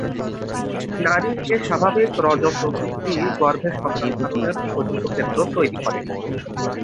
নারীর এ স্বাভাবিক রজঃপ্রবৃত্তিই গর্ভে সন্তান ধারণের উপযুক্ত ক্ষেত্র তৈরি করে।